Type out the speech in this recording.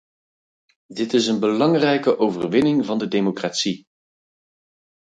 Dit is een belangrijke overwinning van de democratie.